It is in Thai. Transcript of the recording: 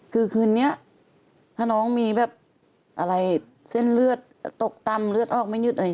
คือคืนนี้ถ้าน้องมีแบบอะไรเส้นเลือดตกตำเลือดออกไม่ยืดอะไร